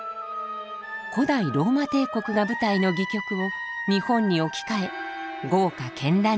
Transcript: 古代ローマ帝国が舞台の戯曲を日本に置き換え豪華絢爛に描きました。